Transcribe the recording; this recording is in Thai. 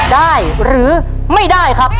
ได้หรือไม่ได้ครับ